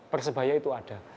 persebaya itu ada